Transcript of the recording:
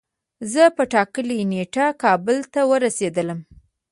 زه په ټاکلی نیټه کابل ته ورسیدلم